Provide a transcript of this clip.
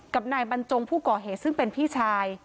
กับนายบรรจงผู้ก่อเหตุซึ่งเป็นพี่ชาย